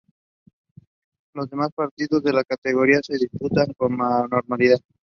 Los demás partidos de la categoría se disputarían con normalidad.